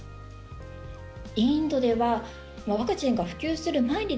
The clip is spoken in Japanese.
インドではワクチンが普及する前に